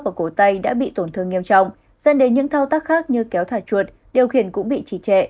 và cổ tay đã bị tổn thương nghiêm trọng dẫn đến những thao tác khác như kéo thả chuột điều khiển cũng bị trì trệ